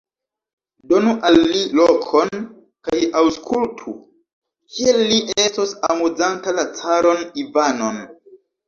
Donu al li lokon kaj aŭskultu, kiel li estos amuzanta la caron Ivanon!